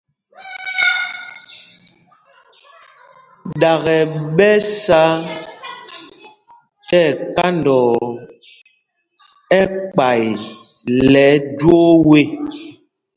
Ɗakɛ ɓɛ sá tí ɛkandɔɔ ɛkpay lɛ ɛjwoo ê.